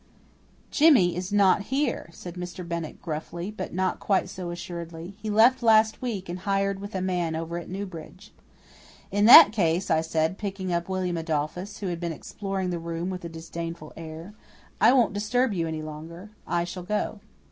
"Jimmy is not here," said Mr. Bennett gruffly but not quite so assuredly. "He left last week and hired with a man over at Newbridge." "In that case," I said, picking up William Adolphus, who had been exploring the room with a disdainful air, "I won't disturb you any longer. I shall go."